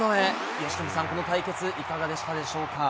由伸さん、この対決、いかがでしたでしょうか。